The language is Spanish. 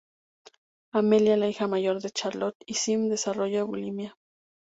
Amelia, la hija mayor de Charlotte y Sean desarrolla bulimia.